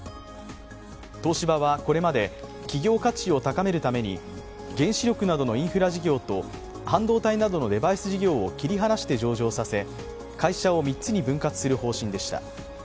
東芝は、これまで企業価値を高めるために原子力などのインフラ事業と半導体などのデバイス事業を切り離して、上場させ会社を３つに分割する方針でした。